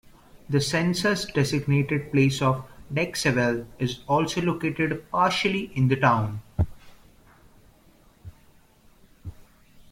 The census-designated place of Dyckesville is also located partially in the town.